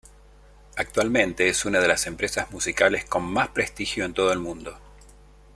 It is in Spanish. Actualmente es una de las empresas musicales con más prestigio en todo el mundo.